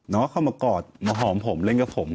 เข้ามากอดมาหอมผมเล่นกับผม